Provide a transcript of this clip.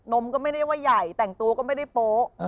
มก็ไม่ได้ว่าใหญ่แต่งตัวก็ไม่ได้โป๊ะ